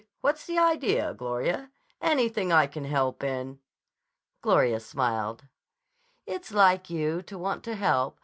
What's the idea, Gloria? Anything I can help in?" Gloria smiled. "It's like you to want to help.